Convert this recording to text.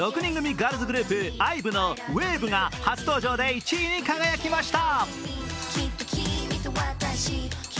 ガールズグループＩＶＥの「ＷＡＶＥ」が初登場で１位に輝きました。